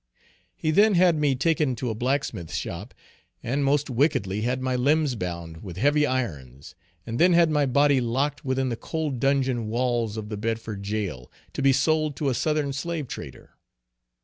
He then had me taken to a blacksmith's shop, and most wickedly had my limbs bound with heavy irons, and then had my body locked within the cold dungeon walls of the Bedford jail, to be sold to a Southern slave trader.